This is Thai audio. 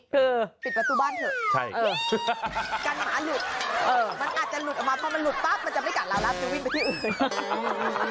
คือปิดประตูบ้านเถอะกันหมาหลุดมันอาจจะหลุดออกมาพอมันหลุดปั๊บมันจะไม่กัดเราแล้วจะวิ่งไปที่อื่น